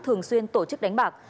thường xuyên tổ chức đánh bạc